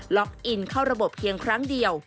อินเข้าระบบเพียงครั้งเดียว